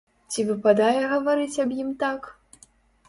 Ці выпадае гаварыць аб ім так?